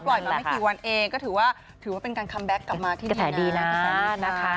ปล่อยมาไม่กี่วันเองก็ถือว่าเป็นการคัมแบ็คกลับมาที่ดีนะ